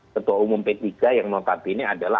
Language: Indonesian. ketua umum p tiga yang notabene adalah